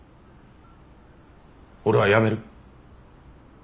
俺は辞める。